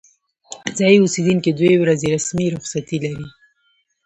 ځايي اوسیدونکي دوې ورځې رسمي رخصتي لري.